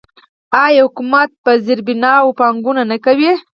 آیا حکومت په زیربناوو پانګونه نه کوي؟